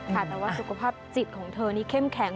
แต่ว่าสุขภาพจิตของเธอนี่เข้มแข็ง